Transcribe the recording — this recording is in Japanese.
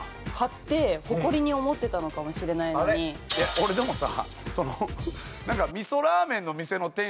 俺でもさ。